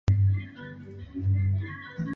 wamaasai walidai kuongezewa eneo la malisho